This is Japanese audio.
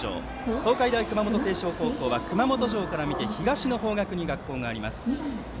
東海大熊本星翔高校は熊本城から見て東の方向に学校があります。